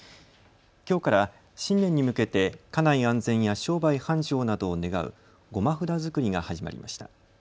きょうから新年に向けて家内安全や商売繁盛などを願う護摩札作りが始まりました。